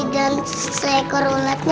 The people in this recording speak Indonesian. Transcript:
dan seekor unatnya